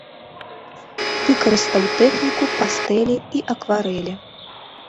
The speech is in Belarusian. Выкарыстаў тэхніку пастэлі і акварэлі.